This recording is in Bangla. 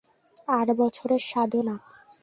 আট বছরের সাধনা।